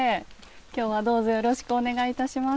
今日はどうぞよろしくお願いいたします。